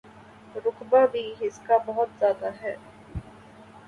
رقبہ بھی اس کا بہت زیادہ ہے۔